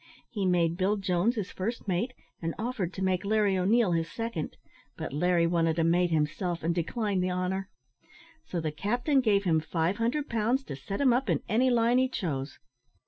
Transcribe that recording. He made Bill Jones his first mate, and offered to make Larry O'Neil his second, but Larry wanted a mate himself, and declined the honour; so the captain gave him five hundred pounds to set him up in any line he chose.